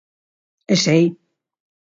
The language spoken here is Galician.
E sei.